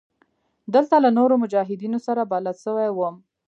دلته له نورو مجاهدينو سره بلد سوى وم.